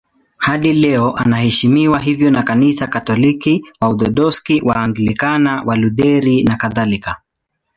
Hadi leo anaheshimiwa hivyo na Kanisa Katoliki, Waorthodoksi, Waanglikana, Walutheri nakadhalika.